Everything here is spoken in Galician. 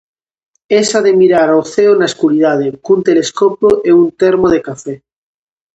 Esa de mirar ao ceo na escuridade, cun telescopio e un termo de café.